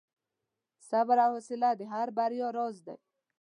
• صبر او حوصله د هرې بریا راز دی.